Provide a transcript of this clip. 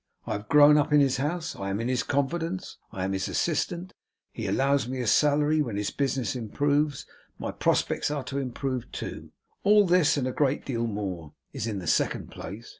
I have grown up in his house, I am in his confidence, I am his assistant, he allows me a salary; when his business improves, my prospects are to improve too. All this, and a great deal more, is in the second place.